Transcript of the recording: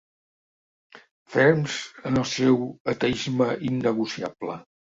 Ferms en el seu ateisme innegociable.